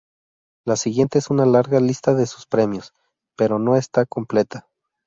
La siguiente es una larga lista de sus premios, pero no está completa.